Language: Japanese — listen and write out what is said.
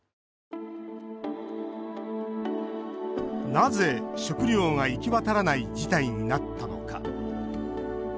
なぜ食料が行き渡らない事態になったのか。